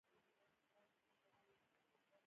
موخه راتلونکې ته د لارې نقشه ده.